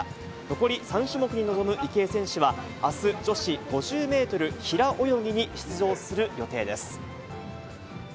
残り３種目に臨む池江選手は、あす、女子５０メートル平泳ぎに出場する予定です。